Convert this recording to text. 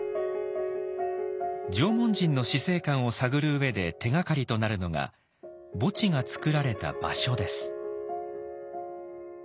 縄文人の死生観を探る上で手がかりとなるのが墓地が作られた場所です。